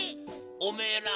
おめえら